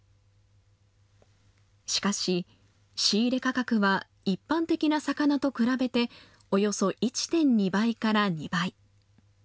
しかし、仕入れ価格は一般的な魚と比べて、およそ１．２倍から２倍。